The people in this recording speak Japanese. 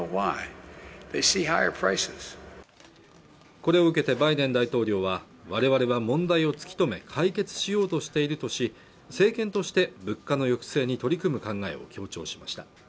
これを受けてバイデン大統領はわれわれは問題を突き止め解決しようとしているとし政権として物価の抑制に取り組む考えを強調しました